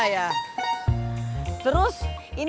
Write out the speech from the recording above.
ya udah kang